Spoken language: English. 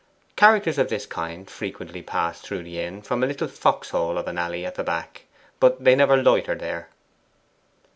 Characters of this kind frequently pass through the Inn from a little foxhole of an alley at the back, but they never loiter there.